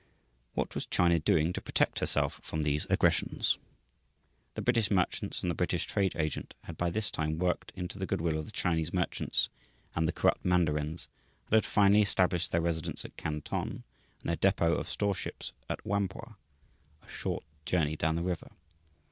What was China doing to protect herself from these aggressions? The British merchants and the British trade agent had by this time worked into the good will of the Chinese merchants and the corrupt mandarins, and had finally established their residence at Canton and their depot of store ships at Whampoa, a short journey down the river.